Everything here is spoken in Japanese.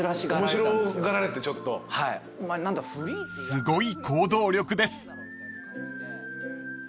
［すごい行動力です］